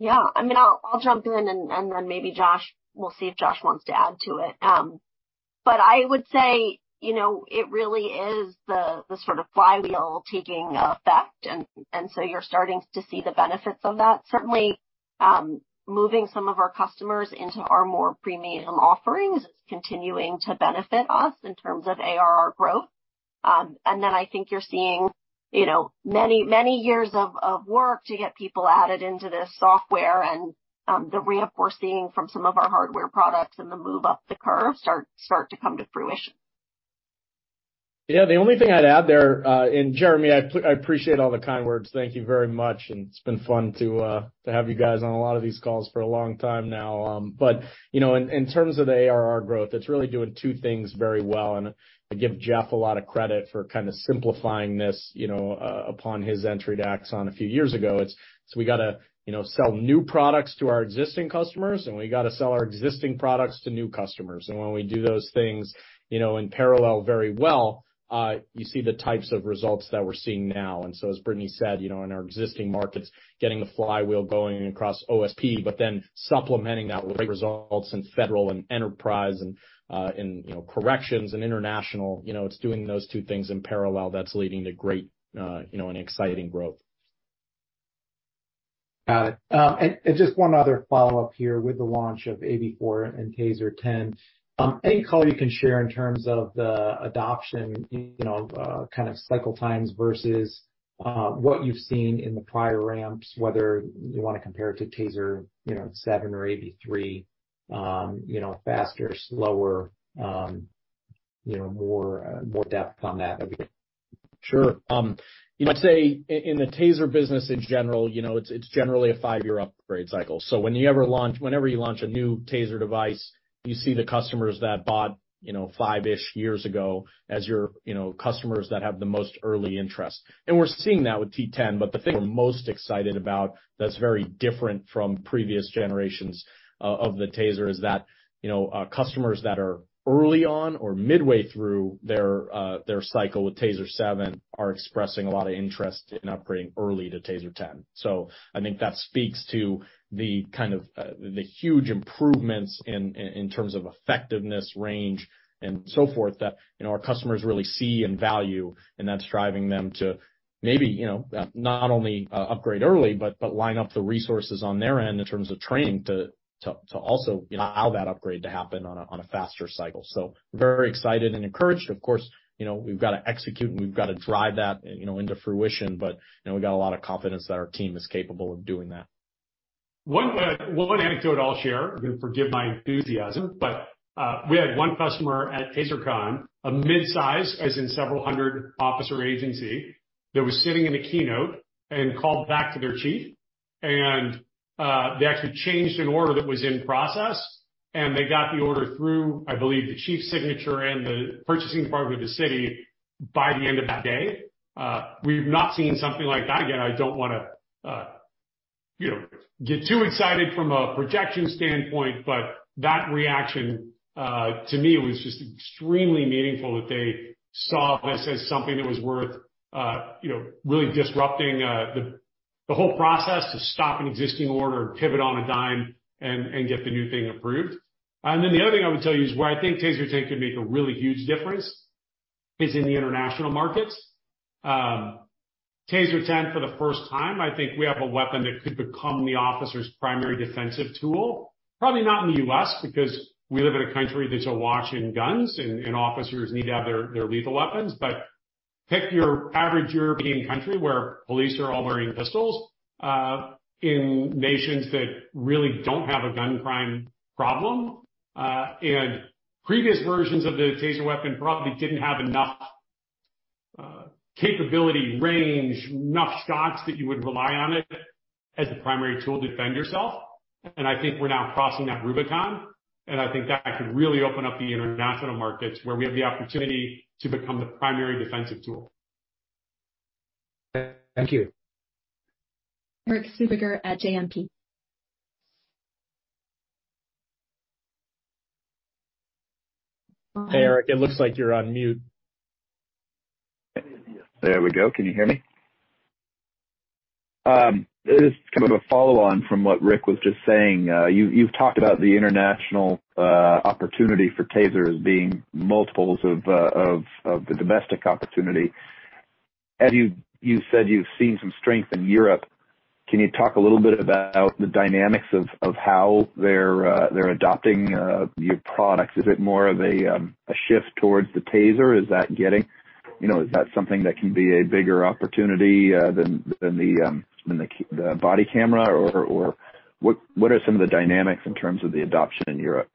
Yeah. I mean, I'll jump in and then maybe Josh, we'll see if Josh wants to add to it. I would say, you know, it really is the sort of flywheel taking effect and so you're starting to see the benefits of that. Certainly, moving some of our customers into our more premium offerings is continuing to benefit us in terms of ARR growth. Then I think you're seeing, you know, many years of work to get people added into this software and the ramp we're seeing from some of our hardware products and the move up the curve start to come to fruition. Yeah. The only thing I'd add there, Jeremy, I appreciate all the kind words. Thank you very much, it's been fun to have you guys on a lot of these calls for a long time now. You know, in terms of the ARR growth, it's really doing two things very well, I give Jeff a lot of credit for kind of simplifying this, you know, upon his entry to Axon a few years ago. We gotta, you know, sell new products to our existing customers, and we gotta sell our existing products to new customers. When we do those things, you know, in parallel very well, you see the types of results that we're seeing now. As Brittany said, you know, in our existing markets, getting the flywheel going across OSP, but then supplementing that with great results in federal and enterprise and, in, you know, corrections and international, you know, it's doing those two things in parallel that's leading to great, you know, and exciting growth. Got it. Just one other follow-up here with the launch of AB4 and TASER 10, any color you can share in terms of the adoption, you know, kind of cycle times versus what you've seen in the prior ramps, whether you wanna compare it to TASER, you know, 7 or Axon Body 3, you know, faster, slower, you know, more depth on that would be great? Sure. you know, say in the TASER business in general, you know, it's generally a 5-year upgrade cycle. Whenever you launch a new TASER device, you see the customers that bought, you know, 5-ish years ago as your, you know, customers that have the most early interest. We're seeing that with T10. The thing we're most excited about that's very different from previous generations of the TASER is that, you know, customers that are early on or midway through their cycle with TASER 7 are expressing a lot of interest in upgrading early to TASER 10. I think that speaks to the kind of the huge improvements in terms of effectiveness, range, and so forth that, you know, our customers really see and value, and that's driving them to maybe, you know, not only upgrade early, but line up the resources on their end in terms of training to also allow that upgrade to happen on a faster cycle. We're very excited and encouraged. Of course, you know, we've got to execute and we've got to drive that, you know, into fruition. You know, we've got a lot of confidence that our team is capable of doing that. One, one anecdote I'll share, and forgive my enthusiasm, but, we had one customer at TASERCON, a mid-size, as in several hundred officer agency, that was sitting in a keynote and called back to their chief. They actually changed an order that was in process, and they got the order through, I believe, the chief's signature and the purchasing department of the city by the end of that day. We've not seen something like that. I don't wanna, you know, get too excited from a projection standpoint, but that reaction, to me, was just extremely meaningful that they saw this as something that was worth, you know, really disrupting, the whole process to stop an existing order, pivot on a dime, and get the new thing approved. The other thing I would tell you is where I think TASER 10 could make a really huge difference is in the international markets. TASER 10 for the first time, I think we have a weapon that could become the officer's primary defensive tool. Probably not in the U.S., because we live in a country that's awash in guns and officers need to have their lethal weapons. Take your average European country where police are all wearing pistols in nations that really don't have a gun crime problem. And previous versions of the TASER weapon probably didn't have enough. Capability, range, enough shots that you would rely on it as the primary tool to defend yourself. I think we're now crossing that Rubicon, and I think that could really open up the international markets where we have the opportunity to become the primary defensive tool. Thank you. Erik Suppiger at JMP. Hey, Erik, it looks like you're on mute. There we go. Can you hear me? This is kind of a follow-on from what Rick was just saying. You, you've talked about the international opportunity for TASER as being multiples of the domestic opportunity. As you said you've seen some strength in Europe. Can you talk a little bit about the dynamics of how they're adopting, your product? Is it more of a shift towards the TASER? Is that getting... You know, is that something that can be a bigger opportunity than the body camera or what are some of the dynamics in terms of the adoption in Europe?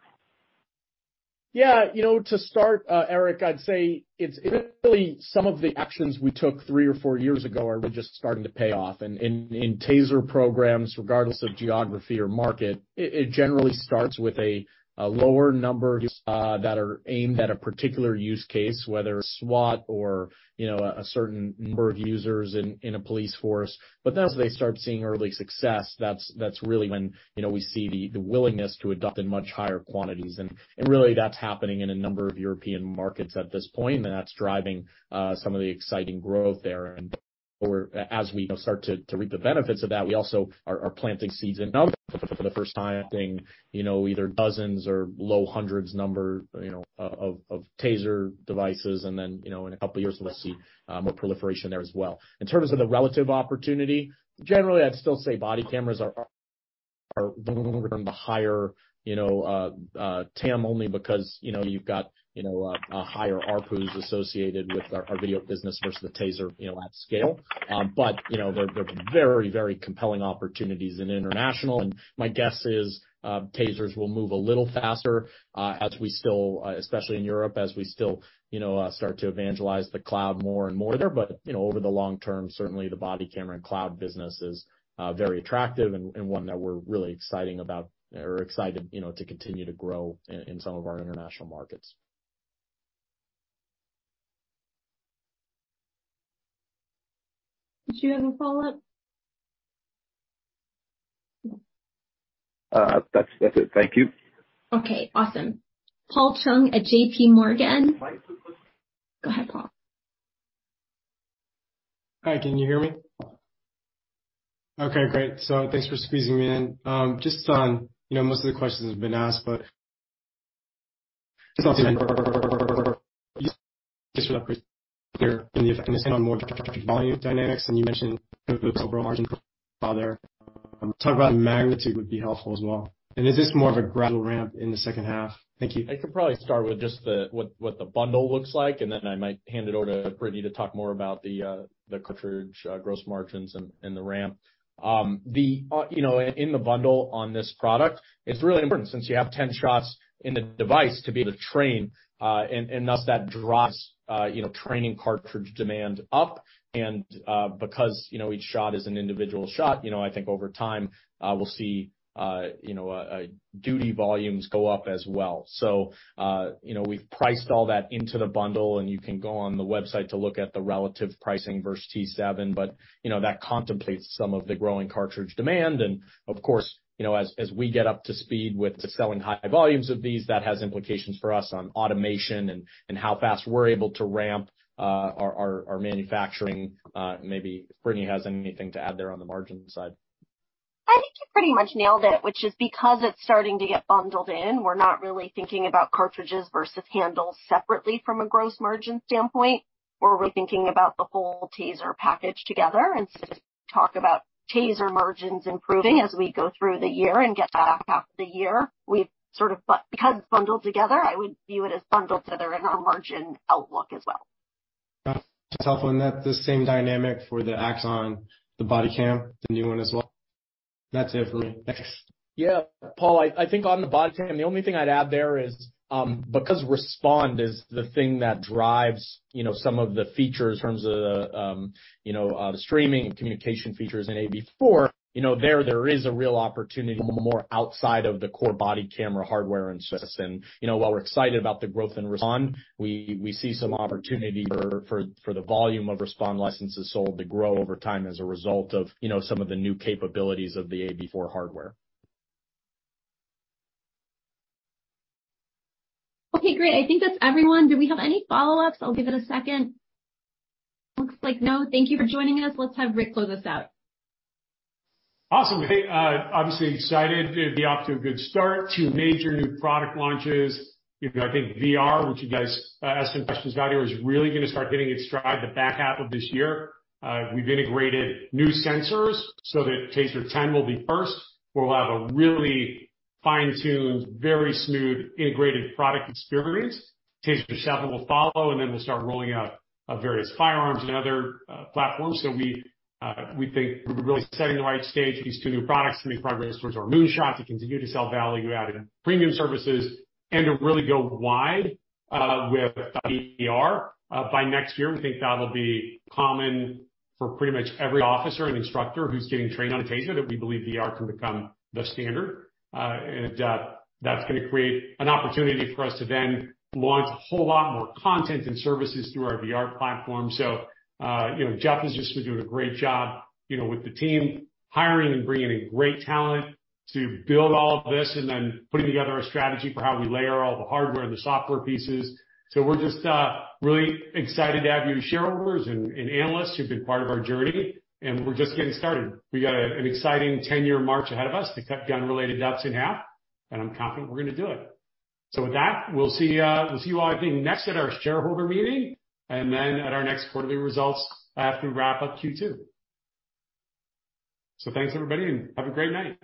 Yeah. You know, to start, Erik, I'd say it's really some of the actions we took three or four years ago are just starting to pay off. And in TASER programs, regardless of geography or market, it generally starts with a lower number that are aimed at a particular use case, whether SWAT or, you know, a certain number of users in a police force. As they start seeing early success, that's really when, you know, we see the willingness to adopt in much higher quantities. And really that's happening in a number of European markets at this point, and that's driving some of the exciting growth there. As we start to reap the benefits of that, we also are planting seeds for the first time, you know, either dozens or low hundreds number, you know, of TASER devices. Then, you know, in a couple of years we'll see a proliferation there as well. In terms of the relative opportunity, generally, I'd still say body cameras are the higher, you know, TAM only because, you know, you've got, you know, a higher ARPU associated with our video business versus the TASER, you know, at scale. You know, they're very, very compelling opportunities in international. My guess is, TASERs will move a little faster, especially in Europe, as we still, you know, start to evangelize the cloud more and more there. You know, over the long term, certainly the body camera and cloud business is very attractive and one that we're really excited, you know, to continue to grow in some of our international markets. Did you have a follow-up? That's it. Thank you. Okay, awesome. Paul Chung at JPMorgan. Go ahead, Paul. Hi, can you hear me? Okay, great. Thanks for squeezing me in. Just on, you know, most of the questions have been asked, but dynamics, and you mentioned would be helpful as well. Is this more of a gradual ramp in the second half? Thank you. I could probably start with just what the bundle looks like, and then I might hand it over to Brittany to talk more about the cartridge gross margins and the ramp. The, you know, in the bundle on this product, it's really important since you have 10 shots in the device to be able to train, and thus that drives, you know, training cartridge demand up. Because, you know, each shot is an individual shot, you know, I think over time, we'll see, you know, duty volumes go up as well. You know, we've priced all that into the bundle, and you can go on the website to look at the relative pricing versus T7. You know, that contemplates some of the growing cartridge demand. Of course, you know, as we get up to speed with selling high volumes of these, that has implications for us on automation and how fast we're able to ramp, our manufacturing. Brittany has anything to add there on the margin side. I think you pretty much nailed it, which is because it's starting to get bundled in, we're not really thinking about cartridges versus handles separately from a gross margin standpoint. We're really thinking about the whole TASER package together instead of talk about TASER margins improving as we go through the year and get back half of the year. Because it's bundled together, I would view it as bundled together in our margin outlook as well. That's helpful. That the same dynamic for the Axon, the body cam, the new one as well? That's it for me. Thanks. Yeah. Paul, I think on the body cam, the only thing I'd add there is, because Respond is the thing that drives, you know, some of the features in terms of the, you know, the streaming and communication features in AB4, you know, there is a real opportunity more outside of the core body camera, hardware and service. While we're excited about the growth in Respond, we see some opportunity for the volume of Respond licenses sold to grow over time as a result of, you know, some of the new capabilities of the AB4 hardware. Okay, great. I think that's everyone. Do we have any follow-ups? I'll give it a second. Looks like no. Thank you for joining us. Let's have Rick close us out. Awesome. Hey, obviously excited to be off to a good start. Two major new product launches. You know, I think VR, which you guys asked some questions about here, is really gonna start hitting its stride the back half of this year. We've integrated new sensors so that TASER 10 will be first, where we'll have a really fine-tuned, very smooth integrated product experience. TASER 7 will follow, and then we'll start rolling out various firearms and other platforms. We think we're really setting the right stage, these two new products to make progress towards our moonshot, to continue to sell value-added premium services and to really go wide with VR. By next year, we think that'll be common for pretty much every officer and instructor who's getting trained on a TASER, that we believe VR can become the standard. That's gonna create an opportunity for us to then launch a whole lot more content and services through our VR platform. You know, Jeff has just been doing a great job, you know, with the team, hiring and bringing in great talent to build all of this and then putting together a strategy for how we layer all the hardware and the software pieces. We're just really excited to have you shareholders and analysts who've been part of our journey, and we're just getting started. We got an exciting 10-year march ahead of us to cut gun-related deaths in half, and I'm confident we're gonna do it. With that, we'll see, we'll see you all, I think, next at our shareholder meeting and then at our next quarterly results after we wrap up Q2. Thanks, everybody, and have a great night.